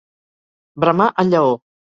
Bramar el lleó.